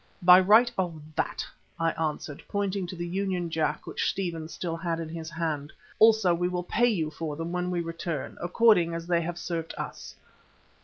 "By right of that," I answered, pointing to the Union Jack which Stephen still had in his hand. "Also we will pay you for them when we return, according as they have served us."